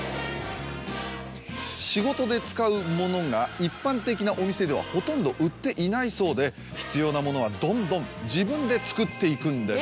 仕事で使うものが一般的なお店ではほとんど売っていないそうで必要なものはどんどん自分で作っていくんです。